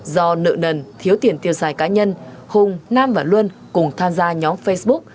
do nợ nần thiếu tiền tiêu xài cá nhân hùng nam và luân cùng tham gia nhóm facebook